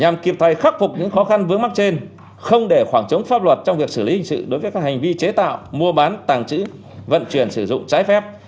nhằm kịp thời khắc phục những khó khăn vướng mắt trên không để khoảng trống pháp luật trong việc xử lý hình sự đối với các hành vi chế tạo mua bán tàng trữ vận chuyển sử dụng trái phép